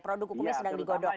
produk hukumnya sedang digodok